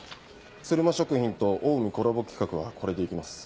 鶴馬食品とオウミコラボ企画はこれで行きます。